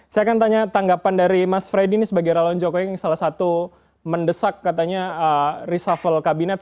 saya akan tanya tanggapan dari mas freddy ini sebagai relawan jokowi yang salah satu mendesak katanya reshuffle kabinet